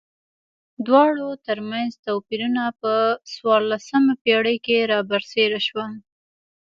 دواړو ترمنځ توپیرونه په څوارلسمه پېړۍ کې را برسېره شول.